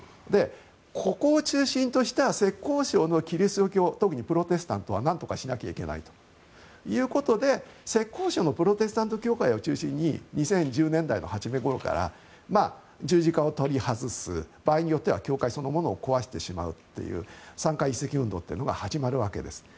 ここを中心とした浙江省のキリスト教特にプロテスタントはなんとかしなきゃいけないということで浙江省のプロテスタント教会を中心に２０１０年代の初めごろから十字架を取り外す場合によっては教会そのものを壊してしまうというサンカイイッセキ運動が始まるわけです。